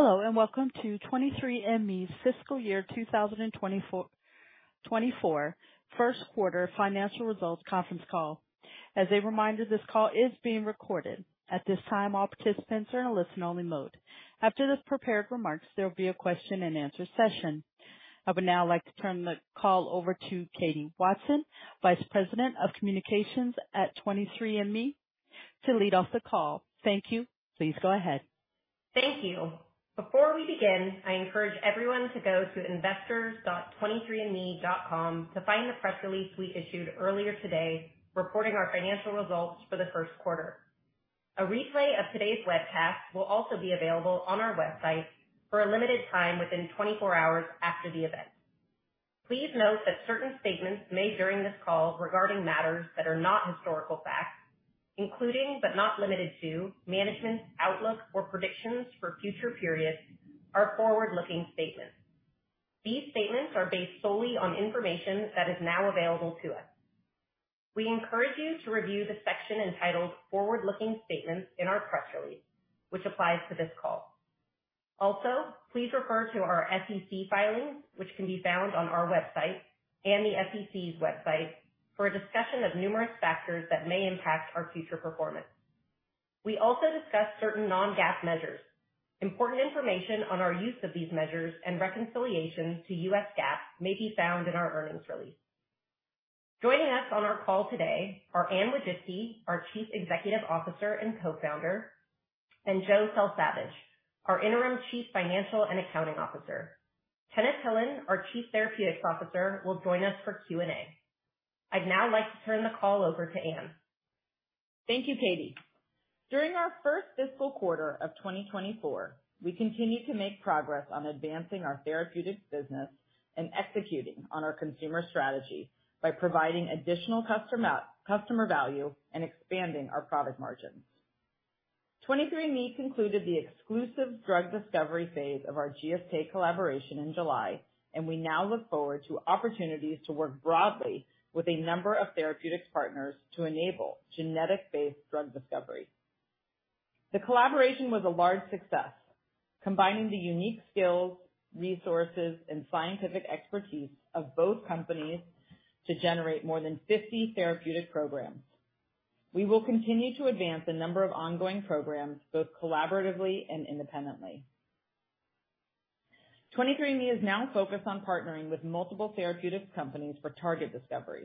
Hello, and welcome to 23andMe's fiscal year 2024, 2024 first quarter financial results conference call. As a reminder, this call is being recorded. At this time, all participants are in a listen-only mode. After this prepared remarks, there will be a question-and-answer session. I would now like to turn the call over to Katie Watson, Vice President of Communications at 23andMe, to lead off the call. Thank you. Please go ahead. Thank you. Before we begin, I encourage everyone to go to investors.23andMe.com to find the press release we issued earlier today, reporting our financial results for the first quarter. A replay of today's webcast will also be available on our website for a limited time within 24 hours after the event. Please note that certain statements made during this call regarding matters that are not historical facts, including, but not limited to management's outlook or predictions for future periods, are forward-looking statements. These statements are based solely on information that is now available to us. We encourage you to review the section entitled Forward-Looking Statements in our press release, which applies to this call. Also, please refer to our SEC filings, which can be found on our website and the SEC's website, for a discussion of numerous factors that may impact our future performance. We also discuss certain non-GAAP measures. Important information on our use of these measures and reconciliations to U.S. GAAP may be found in our earnings release. Joining us on our call today are Anne Wojcicki, our Chief Executive Officer and Co-Founder, and Joe Selsavage, our interim Chief Financial and Accounting Officer. Kenneth Hillan, our Chief Therapeutics Officer, will join us for Q&A. I'd now like to turn the call over to Anne. Thank you, Katie. During our first fiscal quarter of 2024, we continued to make progress on advancing our therapeutics business and executing on our consumer strategy by providing additional customer, customer value and expanding our product margins. 23andMe concluded the exclusive drug discovery phase of our GSK collaboration in July, we now look forward to opportunities to work broadly with a number of therapeutics partners to enable genetic-based drug discovery. The collaboration was a large success, combining the unique skills, resources, and scientific expertise of both companies to generate more than 50 therapeutic programs. We will continue to advance a number of ongoing programs, both collaboratively and independently. 23andMe is now focused on partnering with multiple therapeutics companies for target discovery.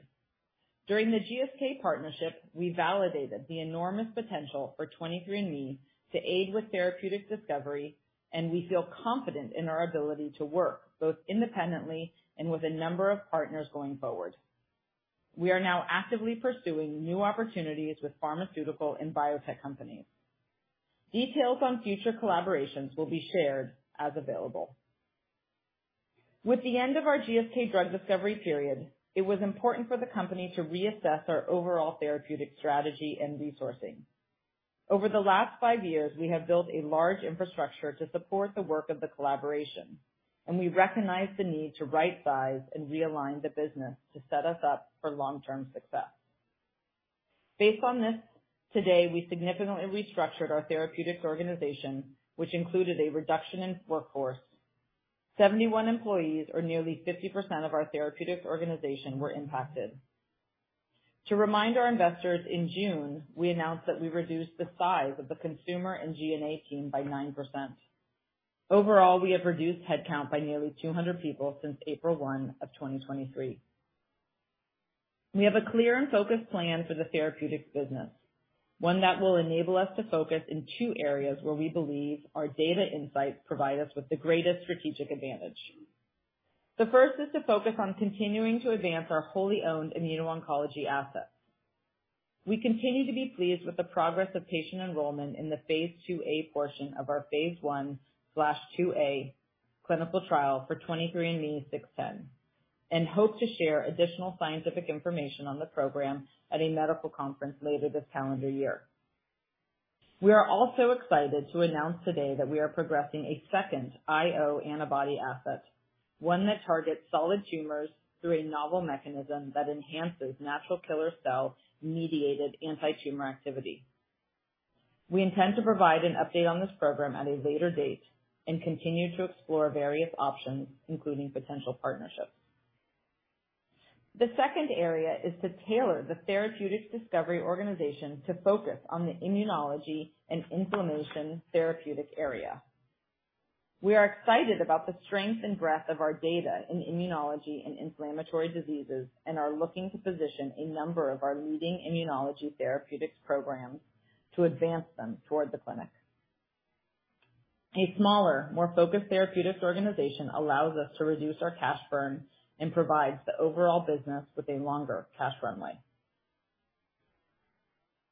During the GSK partnership, we validated the enormous potential for 23andMe to aid with therapeutic discovery. We feel confident in our ability to work both independently and with a number of partners going forward. We are now actively pursuing new opportunities with pharmaceutical and biotech companies. Details on future collaborations will be shared as available. With the end of our GSK drug discovery period, it was important for the company to reassess our overall therapeutic strategy and resourcing. Over the last five years, we have built a large infrastructure to support the work of the collaboration. We recognize the need to rightsize and realign the business to set us up for long-term success. Based on this, today, we significantly restructured our therapeutics organization, which included a reduction in workforce. 71 employees, or nearly 50% of our therapeutics organization, were impacted. To remind our investors, in June, we announced that we reduced the size of the consumer and G&A team by 9%. Overall, we have reduced headcount by nearly 200 people since April 1, 2023. We have a clear and focused plan for the therapeutics business, one that will enable us to focus in two areas where we believe our data insights provide us with the greatest strategic advantage. The first is to focus on continuing to advance our wholly owned immuno-oncology assets. We continue to be pleased with the progress of patient enrollment in the Phase II-A portion of our Phase I/II-A clinical trial for 23ME-00610, and hope to share additional scientific information on the program at a medical conference later this calendar year. We are also excited to announce today that we are progressing a second IO antibody asset, one that targets solid tumors through a novel mechanism that enhances natural killer cell-mediated antitumor activity. We intend to provide an update on this program at a later date and continue to explore various options, including potential partnerships. The second area is to tailor the therapeutics discovery organization to focus on the immunology and inflammation therapeutics area. We are excited about the strength and breadth of our data in immunology and inflammatory diseases and are looking to position a number of our leading immunology therapeutics programs to advance them toward the clinic. A smaller, more focused therapeutics organization allows us to reduce our cash burn and provides the overall business with a longer cash runway.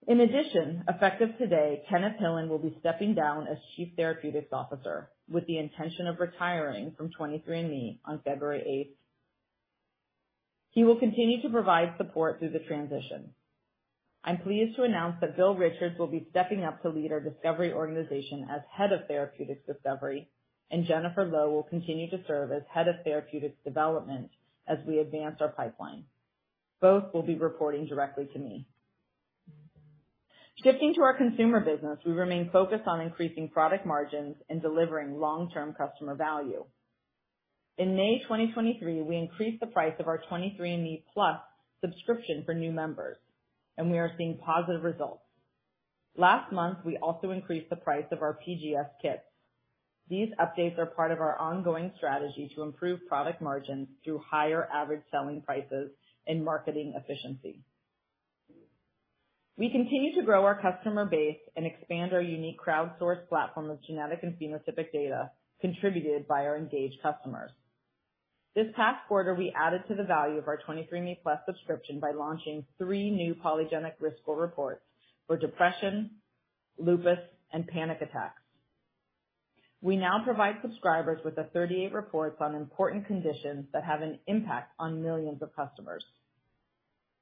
In addition, effective today, Kenneth Hillan will be stepping down as Chief Therapeutics Officer with the intention of retiring from 23andMe on February 8th. He will continue to provide support through the transition. I'm pleased to announce that Bill Richards will be stepping up to lead our discovery organization as Head of Therapeutics Discovery, and Jennifer Low will continue to serve as Head of Therapeutics Development as we advance our pipeline. Both will be reporting directly to me. Shifting to our consumer business, we remain focused on increasing product margins and delivering long-term customer value. In May 2023, we increased the price of our 23andMe+ subscription for new members. We are seeing positive results. Last month, we also increased the price of our PGS kits. These updates are part of our ongoing strategy to improve product margins through higher average selling prices and marketing efficiency. We continue to grow our customer base and expand our unique crowdsourced platform of genetic and phenotypic data contributed by our engaged customers. This past quarter, we added to the value of our 23andMe+ subscription by launching three new polygenic risk score reports for depression, lupus, and panic attacks. We now provide subscribers with the 38 reports on important conditions that have an impact on millions of customers.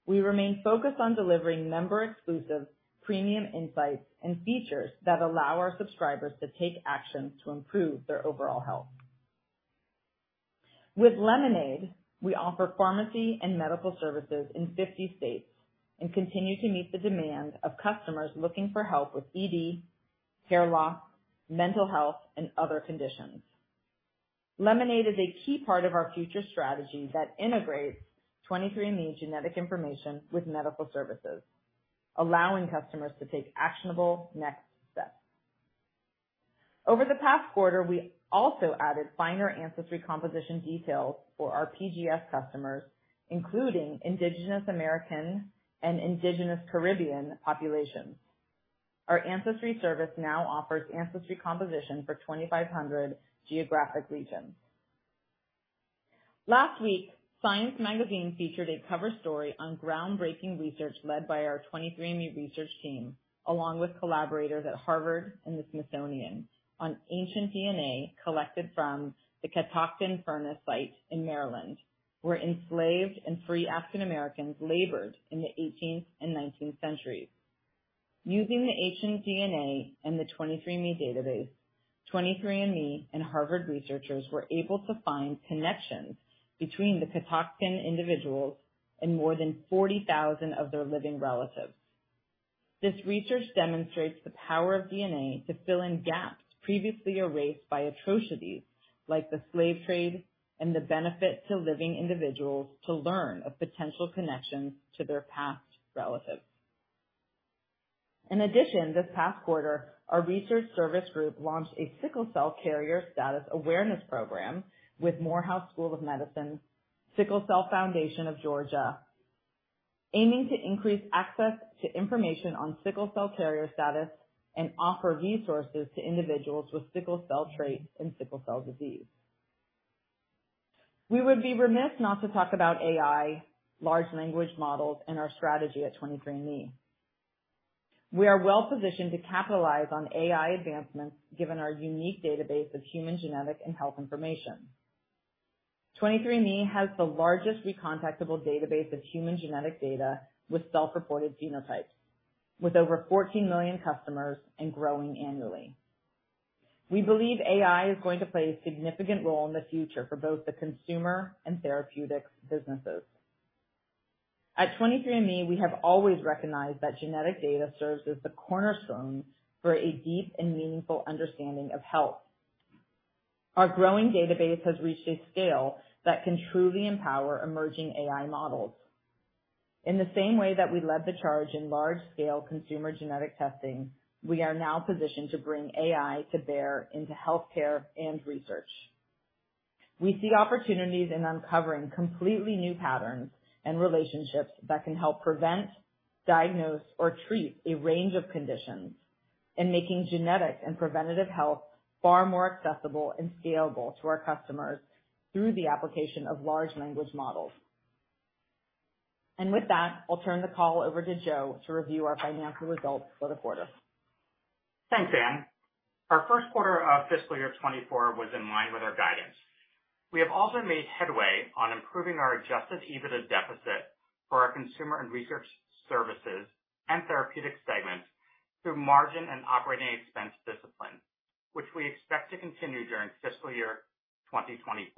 We remain focused on delivering member exclusive premium insights and features that allow our subscribers to take action to improve their overall health. With Lemonaid, we offer pharmacy and medical services in 50 states and continue to meet the demand of customers looking for help with ED, hair loss, mental health, and other conditions. Lemonaid is a key part of our future strategy that integrates 23andMe genetic information with medical services, allowing customers to take actionable next steps. Over the past quarter, we also added finer ancestry composition details for our PGS customers, including Indigenous American and Indigenous Caribbean populations. Our ancestry service now offers ancestry composition for 2,500 geographic regions. Last week, Science featured a cover story on groundbreaking research led by our 23andMe research team, along with collaborators at Harvard and the Smithsonian, on ancient DNA collected from the Catoctin Furnace site in Maryland, where enslaved and free African Americans labored in the eighteenth and nineteenth centuries. Using the ancient DNA and the 23andMe database, 23andMe and Harvard researchers were able to find connections between the Catoctin individuals and more than 40,000 of their living relatives. This research demonstrates the power of DNA to fill in gaps previously erased by atrocities like the slave trade, and the benefit to living individuals to learn of potential connections to their past relatives. In addition, this past quarter, our research service group launched a Sickle Cell Carrier Status Awareness Program with Morehouse School of Medicine, Sickle Cell Foundation of Georgia, aiming to increase access to information on sickle cell carrier status and offer resources to individuals with sickle cell trait and sickle cell disease. We would be remiss not to talk about AI, large language models, and our strategy at 23andMe. We are well positioned to capitalize on AI advancements, given our unique database of human genetic and health information. 23andMe has the largest recontactable database of human genetic data with self-reported genotypes, with over 14 million customers and growing annually. We believe AI is going to play a significant role in the future for both the consumer and therapeutics businesses. At 23andMe, we have always recognized that genetic data serves as the cornerstone for a deep and meaningful understanding of health. Our growing database has reached a scale that can truly empower emerging AI models. In the same way that we led the charge in large-scale consumer genetic testing, we are now positioned to bring AI to bear into healthcare and research. We see opportunities in uncovering completely new patterns and relationships that can help prevent, diagnose, or treat a range of conditions, and making genetic and preventative health far more accessible and scalable to our customers through the application of large language models. With that, I'll turn the call over to Joe to review our financial results for the quarter. Thanks, Anne. Our first quarter of fiscal year 2024 was in line with our guidance. We have also made headway on improving our adjusted EBITDA deficit for our consumer and research services and therapeutic segments through margin and operating expense discipline, which we expect to continue during fiscal year 2024.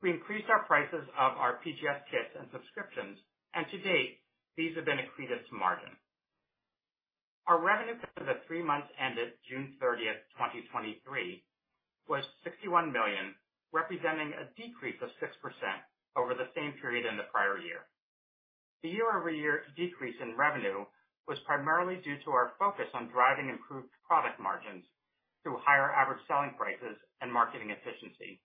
We increased our prices of our PGS kits and subscriptions. To date, these have been accretive to margin. Our revenue for the three months ended June 30th, 2023, was $61 million, representing a decrease of 6% over the same period in the prior year. The year-over-year decrease in revenue was primarily due to our focus on driving improved product margins through higher average selling prices and marketing efficiency,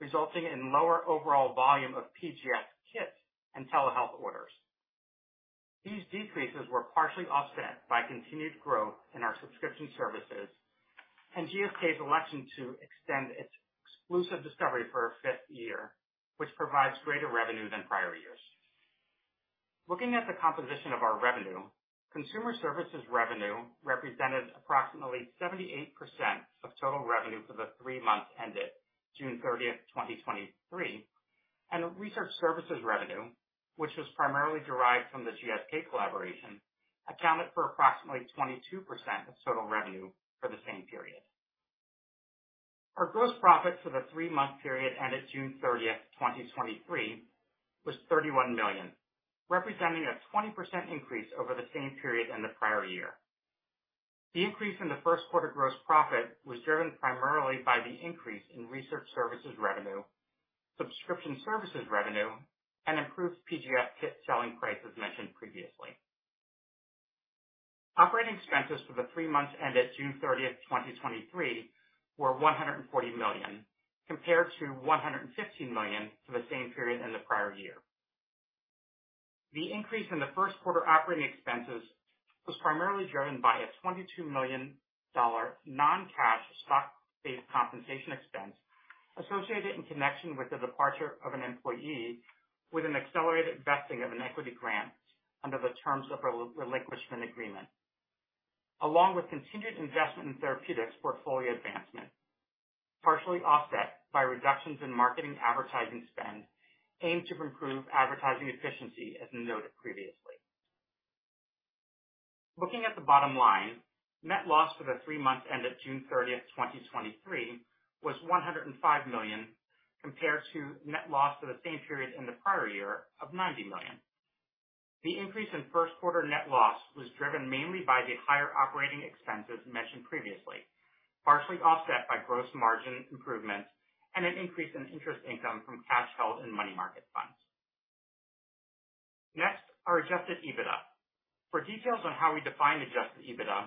resulting in lower overall volume of PGS kits and telehealth orders. These decreases were partially offset by continued growth in our subscription services and GSK's election to extend its exclusive discovery for a fifth year, which provides greater revenue than prior years. Looking at the composition of our revenue, consumer services revenue represented approximately 78% of total revenue for the three months ended June 30, 2023. The research services revenue, which was primarily derived from the GSK collaboration, accounted for approximately 22% of total revenue for the same period. Our gross profit for the three-month period ended June 30, 2023, was $31 million, representing a 20% increase over the same period in the prior year. The increase in the first quarter gross profit was driven primarily by the increase in research services revenue, subscription services revenue, and improved PGS kit selling price, as mentioned previously. Operating expenses for the three months ended June 30, 2023, were $140 million, compared to $115 million for the same period in the prior year. The increase in the first quarter operating expenses was primarily driven by a $22 million non-cash stock-based compensation expense associated in connection with the departure of an employee, with an accelerated vesting of an equity grant under the terms of a relinquishment agreement. Along with continued investment in therapeutics portfolio advancement, partially offset by reductions in marketing advertising spend, aimed to improve advertising efficiency, as noted previously. Looking at the bottom line, net loss for the three months ended June 30, 2023, was $105 million, compared to net loss for the same period in the prior year of $90 million. The increase in first quarter net loss was driven mainly by the higher operating expenses mentioned previously, partially offset by gross margin improvements and an increase in interest income from cash held in money market funds. Our adjusted EBITDA. For details on how we define adjusted EBITDA,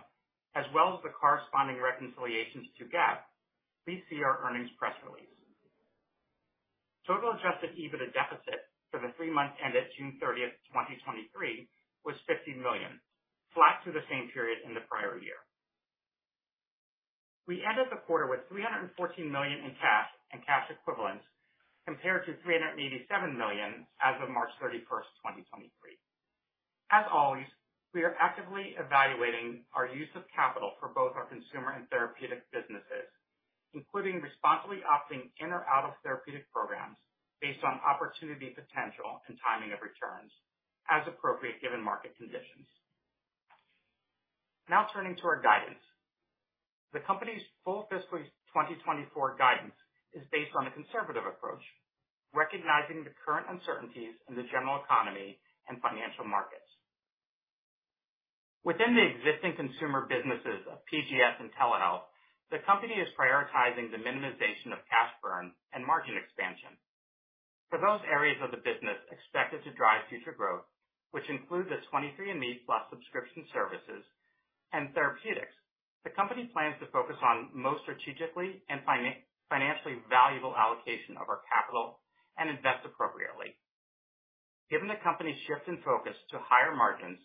as well as the corresponding reconciliations to GAAP, please see our earnings press release. Total adjusted EBITDA deficit for the three months ended June 30, 2023, was $50 million, flat to the same period in the prior year. We ended the quarter with $314 million in cash and cash equivalents, compared to $387 million as of March 31st, 2023. As always, we are actively evaluating our use of capital for both our consumer and therapeutic businesses, including responsibly opting in or out of therapeutic programs based on opportunity, potential, and timing of returns, as appropriate, given market conditions. Now, turning to our guidance. The company's full fiscal 2024 guidance is based on a conservative approach, recognizing the current uncertainties in the general economy and financial markets. Within the existing consumer businesses of PGS and telehealth, the company is prioritizing the minimization of cash burn and margin expansion. For those areas of the business expected to drive future growth, which include the 23andMe+ subscription services and therapeutics, the company plans to focus on most strategically and financially valuable allocation of our capital and invest appropriately. Given the company's shift in focus to higher margins,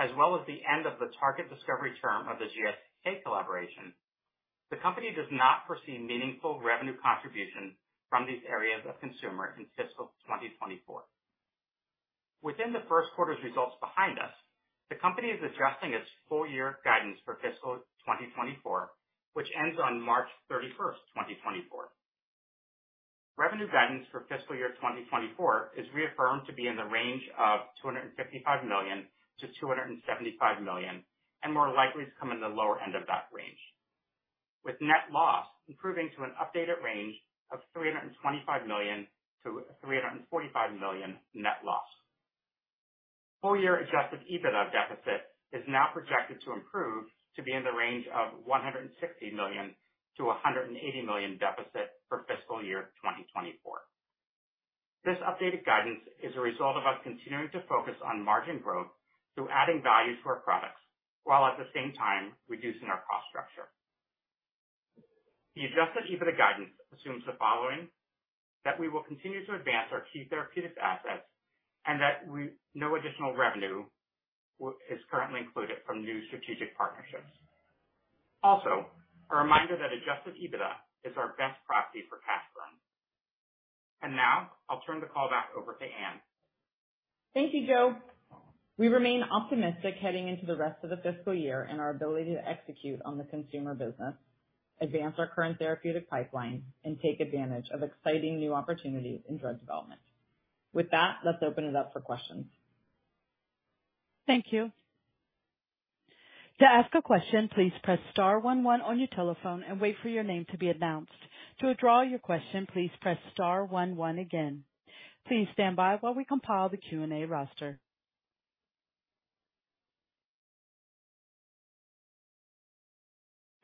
as well as the end of the target discovery term of the GSK collaboration, the company does not foresee meaningful revenue contribution from these areas of consumer in fiscal 2024. Within the first quarter's results behind us, the company is adjusting its full year guidance for fiscal 2024, which ends on March 31st, 2024. Revenue guidance for fiscal year 2024 is reaffirmed to be in the range of $255 million-$275 million, and more likely to come in the lower end of that range, with net loss improving to an updated range of $325 million-$345 million net loss. Full year adjusted EBITDA deficit is now projected to improve to be in the range of $160 million-$180 million deficit for fiscal year 2024. This updated guidance is a result of us continuing to focus on margin growth through adding value to our products, while at the same time reducing our cost structure. The adjusted EBITDA guidance assumes the following: that we will continue to advance our key therapeutics assets and that no additional revenue is currently included from new strategic partnerships. Also, a reminder that adjusted EBITDA is our best proxy for cash flow. Now I'll turn the call back over to Anne. Thank you, Joe. We remain optimistic heading into the rest of the fiscal year and our ability to execute on the consumer business, advance our current therapeutic pipeline, and take advantage of exciting new opportunities in drug development. With that, let's open it up for questions. Thank you. To ask a question, please press star one one on your telephone and wait for your name to be announced. To withdraw your question, please press star one one again. Please stand by while we compile the Q&A roster.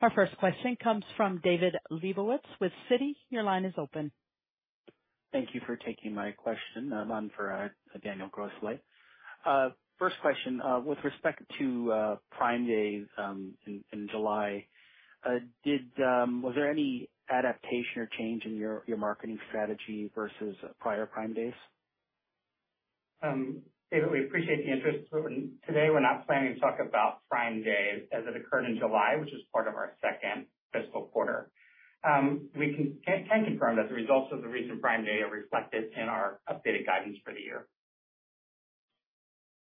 Our first question comes from David Lebowitz with Citi. Your line is open. Thank you for taking my question. I'm on for, Daniel Grosslight. First question, with respect to, Prime Day, in, in July, Was there any adaptation or change in your, your marketing strategy versus prior Prime Days? David, we appreciate the interest. Today, we're not planning to talk about Prime Day as it occurred in July, which is part of our second fiscal quarter. We can confirm that the results of the recent Prime Day are reflected in our updated guidance for the year.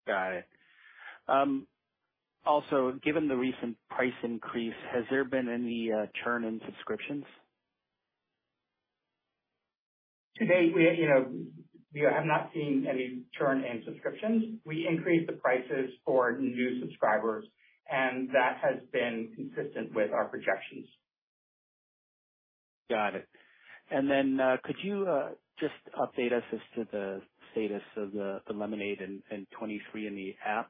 Got it. Also, given the recent price increase, has there been any churn in subscriptions? To date, we, you know, we have not seen any churn in subscriptions. We increased the prices for new subscribers, and that has been consistent with our projections. Got it. Then, could you just update us as to the status of the, the Lemonaid and, and 23andMe app,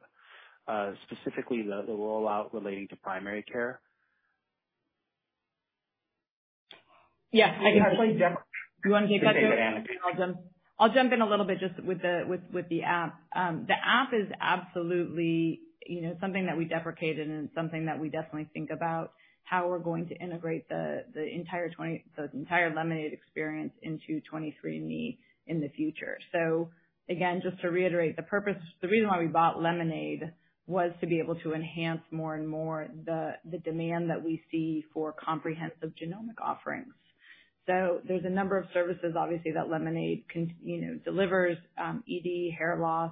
specifically the, the rollout relating to primary care? Yes, I can. I can actually. You want to take that, Joe? Yeah, go ahead, Anne. I'll jump-- I'll jump in a little bit just with the, with, with the app. The app is absolutely, you know, something that we deprecated and something that we definitely think about how we're going to integrate the, the entire Lemonaid experience into 23andMe in the future. Again, just to reiterate, the purpose, the reason why we bought Lemonaid was to be able to enhance more and more the, the demand that we see for comprehensive genomic offerings. There's a number of services, obviously, that Lemonaid, you know, delivers, ED, hair loss,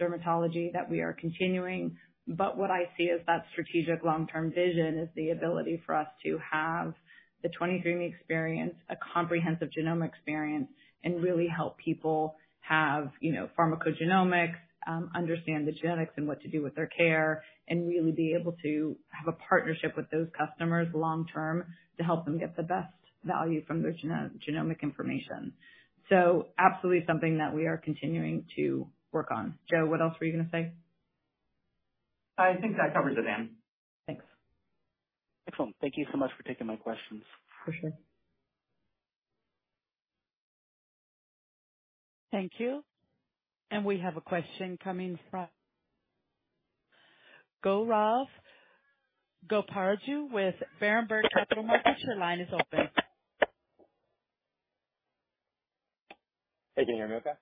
dermatology, that we are continuing. What I see as that strategic long-term vision is the ability for us to have the 23andMe experience, a comprehensive genomic experience, and really help people have, you know, pharmacogenomics, understand the genetics and what to do with their care, and really be able to have a partnership with those customers long term, to help them get the best value from their genomic information. Absolutely something that we are continuing to work on. Joe, what else were you going to say? I think that covers it, Anne. Thanks. Excellent. Thank you so much for taking my questions. For sure. Thank you. We have a question coming from Gaurav Goparaju with Berenberg Capital Markets. Your line is open. Hey, can you hear me okay?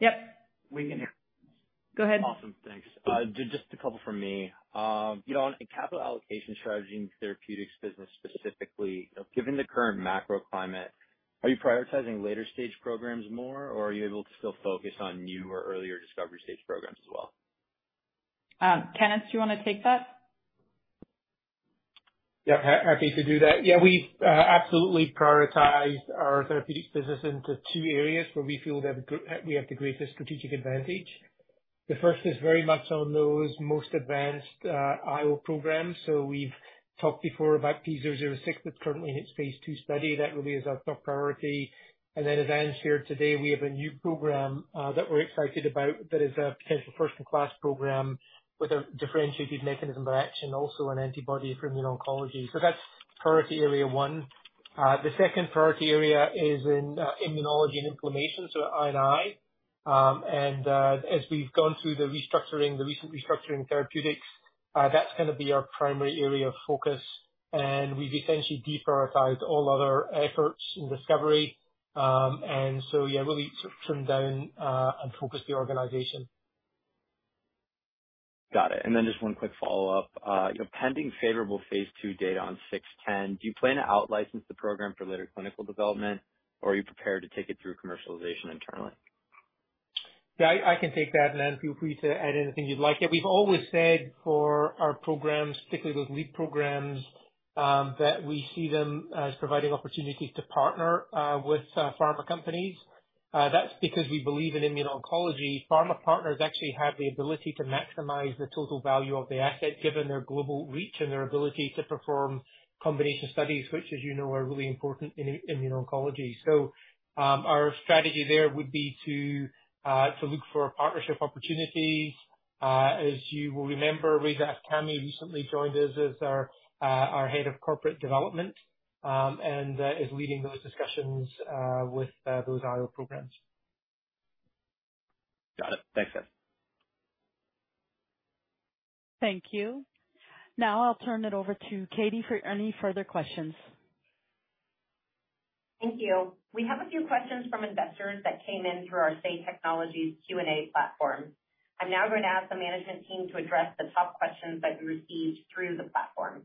Yep. We can hear you. Go ahead. Awesome. Thanks. Just a couple from me. You know, on a capital allocation strategy and therapeutics business specifically, given the current macro climate, are you prioritizing later stage programs more, or are you able to still focus on new or earlier discovery stage programs as well? Kenneth, do you want to take that? Yeah, happy to do that. Yeah, we've absolutely prioritized our therapeutics business into two areas where we feel that we have the greatest strategic advantage. We've talked before about P006, that's currently in its phase II study. Then as Anne shared today, we have a new program that we're excited about that is a potential first-in-class program with a differentiated mechanism of action, also an antibody for immuno-oncology. That's priority area one. The second priority area is in immunology and inflammation, so I&I. As we've gone through the restructuring, the recent restructuring therapeutics, that's going to be our primary area of focus, and we've essentially deprioritized all other efforts in discovery. Yeah, really trim down, and focus the organization. Got it. Just one quick follow-up. Pending favorable phase II data on 610, do you plan to out-license the program for later clinical development, or are you prepared to take it through commercialization internally? Yeah, I, I can take that. Anne, feel free to add anything you'd like. We've always said for our programs, particularly those lead programs, that we see them as providing opportunities to partner with pharma companies. That's because we believe in immuno-oncology. Pharma partners actually have the ability to maximize the total value of the asset, given their global reach and their ability to perform combination studies, which, as you know, are really important in immuno-oncology. Our strategy there would be to look for partnership opportunities. As you will remember, Reza Afkhami recently joined us as our head of corporate development, and is leading those discussions with those IO programs. Got it. Thanks, guys. Thank you. Now I'll turn it over to Katie for any further questions. Thank you. We have a few questions from investors that came in through our Say Technologies Q&A platform. I'm now going to ask the management team to address the top questions that we received through the platform.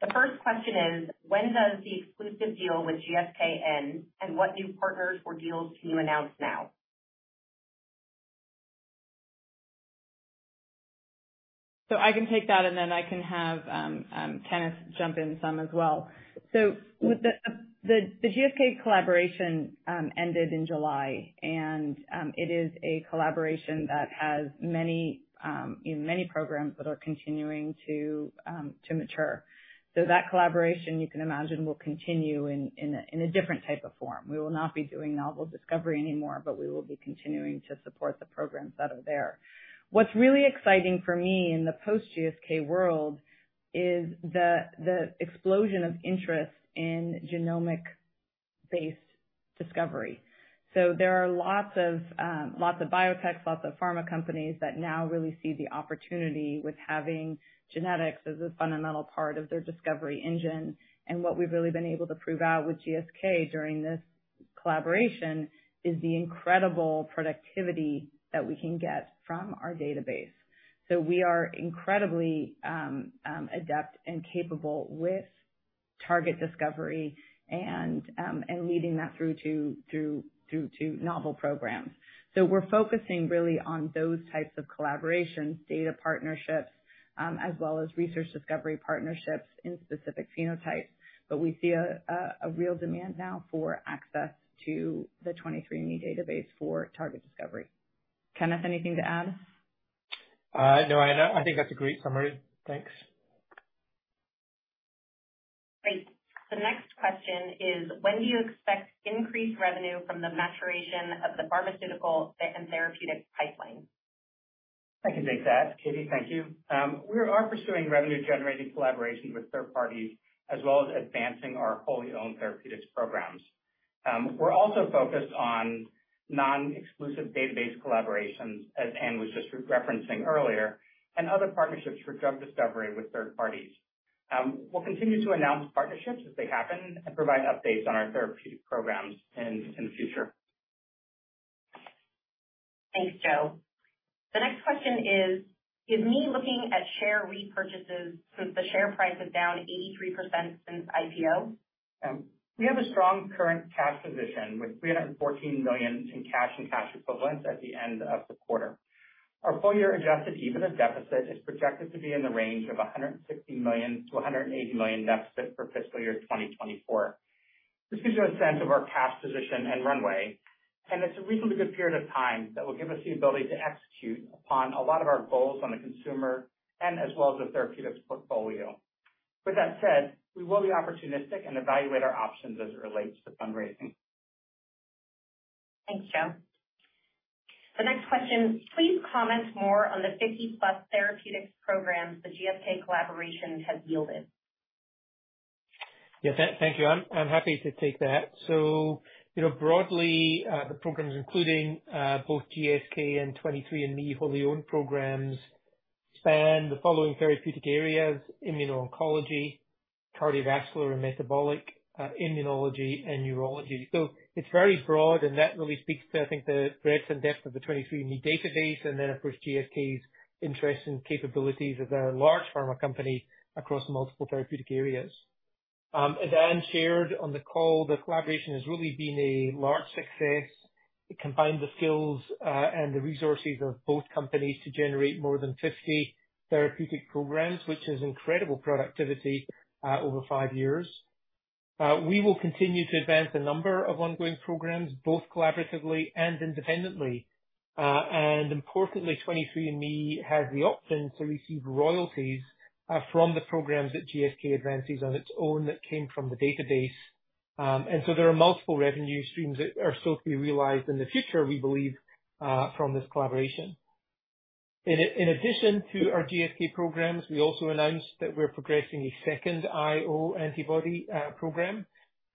The first question is: When does the exclusive deal with GSK end, and what new partners or deals can you announce now? I can take that, and then I can have Kenneth jump in some as well. With the GSK collaboration ended in July, and it is a collaboration that has many, you know, many programs that are continuing to mature. That collaboration, you can imagine, will continue in a different type of form. We will not be doing novel discovery anymore, but we will be continuing to support the programs that are there. What's really exciting for me in the post-GSK world is the explosion of interest in genomic-based discovery. There are lots of biotechs, lots of pharma companies, that now really see the opportunity with having genetics as a fundamental part of their discovery engine. What we've really been able to prove out with GSK during this collaboration is the incredible productivity that we can get from our database. We are incredibly adept and capable with target discovery and leading that through to novel programs. We're focusing really on those types of collaborations, data partnerships, as well as research discovery partnerships in specific phenotypes. We see a real demand now for access to the 23andMe database for target discovery. Kenneth, anything to add? No, Anne, I think that's a great summary. Thanks. Great. The next question is: When do you expect increased revenue from the maturation of the pharmaceutical and therapeutic pipeline? I can take that, Katie. Thank you. We are pursuing revenue-generating collaborations with third parties, as well as advancing our wholly owned therapeutics programs. We're also focused on non-exclusive database collaborations, as Anne was just referencing earlier, and other partnerships for drug discovery with third parties. We'll continue to announce partnerships as they happen and provide updates on our therapeutic programs in the future. Thanks, Joe. The next question is: Is me looking at share repurchases since the share price is down 83% since IPO? We have a strong current cash position with $314 million in cash and cash equivalents at the end of the quarter. Our full year adjusted EBITDA deficit is projected to be in the range of $160 million-$180 million deficit for fiscal year 2024. This gives you a sense of our cash position and runway, it's a reasonably good period of time that will give us the ability to execute upon a lot of our goals on the consumer and as well as the therapeutics portfolio. With that said, we will be opportunistic and evaluate our options as it relates to fundraising. Thanks, Joe. The next question: Please comment more on the 50-plus therapeutics programs the GSK collaboration has yielded? Yeah, thank you. I'm happy to take that. You know, broadly, the programs, including both GSK and 23andMe wholly owned programs, span the following therapeutic areas: immuno-oncology, cardiovascular and metabolic, immunology and neurology. It's very broad, and that really speaks to, I think, the breadth and depth of the 23andMe database, and then, of course, GSK's interest and capabilities as a large pharma company across multiple therapeutic areas. As Anne shared on the call, the collaboration has really been a large success. It combined the skills and the resources of both companies to generate more than 50 therapeutic programs, which is incredible productivity, over five years. We will continue to advance a number of ongoing programs, both collaboratively and independently. Importantly, 23andMe has the option to receive royalties from the programs that GSK advances on its own, that came from the database. There are multiple revenue streams that are still to be realized in the future, we believe, from this collaboration. In addition to our GSK programs, we also announced that we're progressing a second IO antibody program,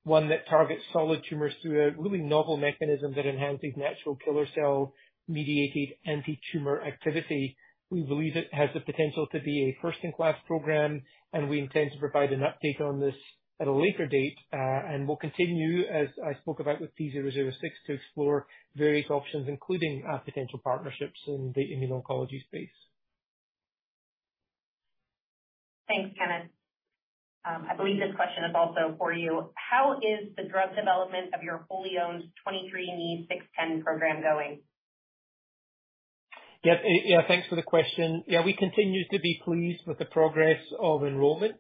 one that targets solid tumors through a really novel mechanism that enhances natural killer cell-mediated antitumor activity. We believe it has the potential to be a first-in-class program, we intend to provide an update on this at a later date. We'll continue, as I spoke about with P006, to explore various options, including potential partnerships in the immuno-oncology space. Thanks, Kenneth. I believe this question is also for you. How is the drug development of your wholly owned 23andMe 610 program going? Yep. Yeah, thanks for the question. Yeah, we continue to be pleased with the progress of enrollment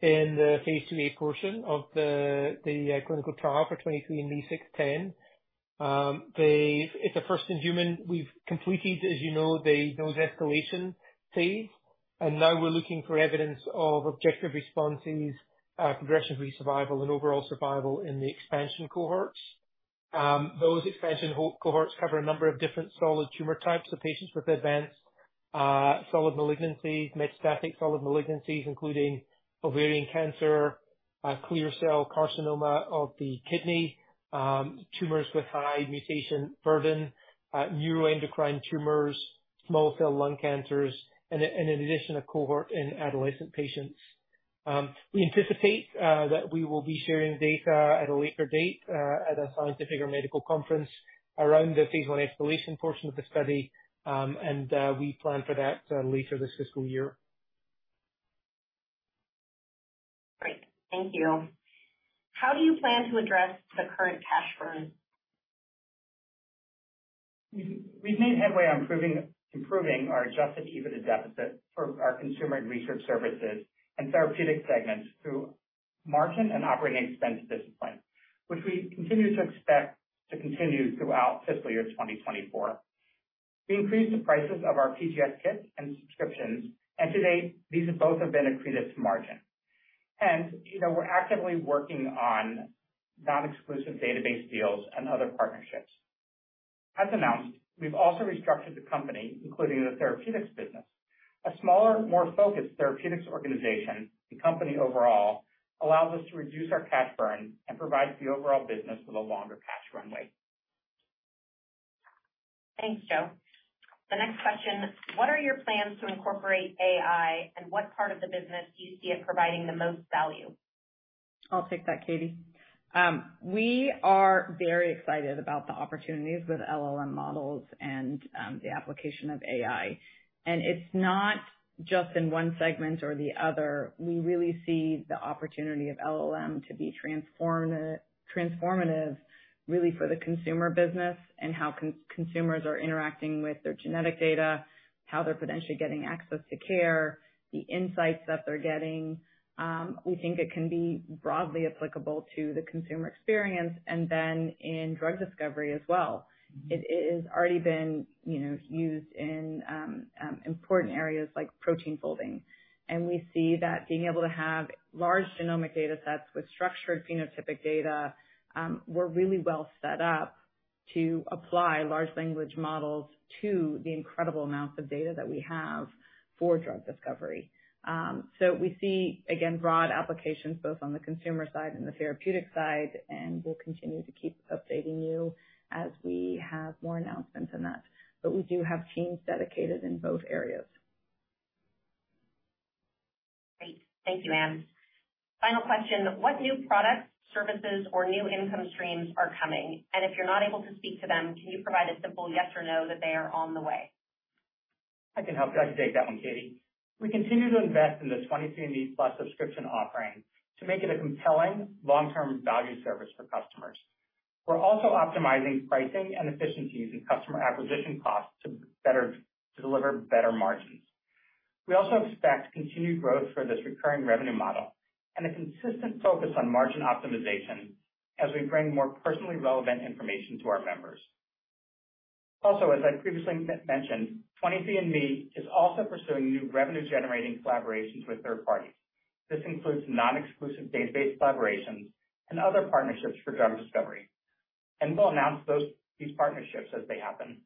in the Phase II-A portion of the clinical trial for 23ME-00610. It's a first-in-human. We've completed, as you know, the dose escalation phase, and now we're looking for evidence of objective responses, progression-free survival, and overall survival in the expansion cohorts. Those expansion cohorts cover a number of different solid tumor types of patients with advanced solid malignancies, metastatic solid malignancies, including ovarian cancer, clear cell renal cell carcinoma, tumors with high mutation burden, neuroendocrine tumors, small cell lung cancers, and in addition, a cohort in adolescent patients. We anticipate that we will be sharing data at a later date, at a scientific or medical conference around the phase 1 escalation portion of the study. We plan for that later this fiscal year. Great. Thank you. How do you plan to address the current cash burn? We've made headway on improving our adjusted EBITDA deficit for our consumer and research services and therapeutic segments through margin and operating expense discipline, which we continue to expect to continue throughout fiscal year 2024. We increased the prices of our PGS kits and subscriptions. To date, these have both have been accretive to margin. You know, we're actively working on non-exclusive database deals and other partnerships. As announced, we've also restructured the company, including the therapeutics business. A smaller, more focused therapeutics organization, the company overall, allows us to reduce our cash burn and provides the overall business with a longer cash runway. Thanks, Joe. The next question: What are your plans to incorporate AI, and what part of the business do you see it providing the most value? I'll take that, Katie. We are very excited about the opportunities with LLMs models and the application of AI. It's not just in one segment or the other. We really see the opportunity of LLMs to be transformative, really, for the consumer business and how consumers are interacting with their genetic data, how they're potentially getting access to care, the insights that they're getting. We think it can be broadly applicable to the consumer experience and then in drug discovery as well. It has already been, you know, used in important areas like protein folding. We see that being able to have large genomic data sets with structured phenotypic data, we're really well set up... to apply large language models to the incredible amounts of data that we have for drug discovery. We see, again, broad applications, both on the consumer side and the therapeutic side, and we'll continue to keep updating you as we have more announcements on that. We do have teams dedicated in both areas. Great. Thank you, ma'am. Final question: What new products, services, or new income streams are coming? If you're not able to speak to them, can you provide a simple yes or no that they are on the way? I can help you take that one, Katie. We continue to invest in the 23andMe+ subscription offering to make it a compelling long-term value service for customers. We're also optimizing pricing and efficiencies and customer acquisition costs to deliver better margins. We also expect continued growth for this recurring revenue model and a consistent focus on margin optimization as we bring more personally relevant information to our members. Also, as I previously mentioned, 23andMe is also pursuing new revenue-generating collaborations with third parties. This includes non-exclusive database collaborations and other partnerships for drug discovery, and we'll announce those, these partnerships as they happen.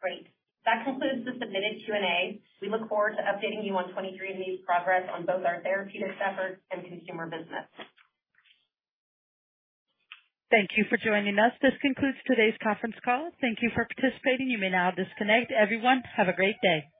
Great. That concludes the submitted Q&A. We look forward to updating you on 23andMe's progress on both our therapeutic efforts and consumer business. Thank you for joining us. This concludes today's conference call. Thank you for participating. You may now disconnect. Everyone, have a great day.